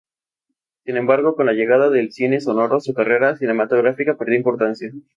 Sin embargo, con la llegada del cine sonoro, su carrera cinematográfica perdió importancia.